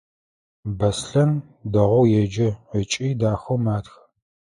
Беслъэн дэгъоу еджэ ыкӏи дахэу матхэ.